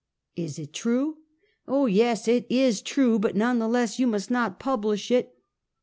" "Is it true?" " Oh, yes! It is true! But none the less you must not publish it!"